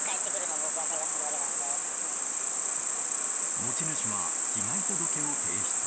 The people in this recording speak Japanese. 持ち主は被害届を提出。